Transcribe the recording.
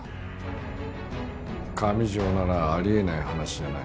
上條ならあり得ない話じゃない。